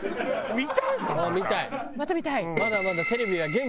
見たい。